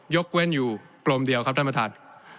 กเว้นอยู่กลมเดียวครับท่านประธาน